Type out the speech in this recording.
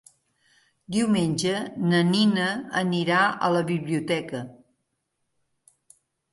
Diumenge na Nina anirà a la biblioteca.